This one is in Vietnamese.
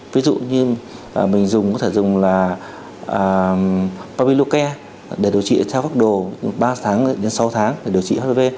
ví dụ như mình dùng có thể dùng là papiluke để điều trị theo pháp đồ ba tháng đến sáu tháng để điều trị hpv